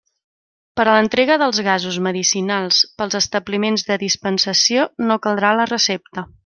Per a l'entrega dels gasos medicinals pels establiments de dispensació no caldrà la recepta.